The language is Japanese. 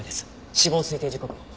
死亡推定時刻の。